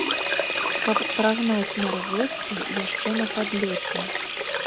Каб прагнаць мярзоцце яшчэ на падлёце.